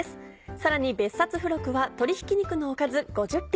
さらに別冊付録は鶏ひき肉のおかず５０品。